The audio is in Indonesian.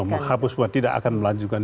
menghapus tidak akan melanjutkan